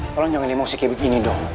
tolong jangan emosi kayak begini dong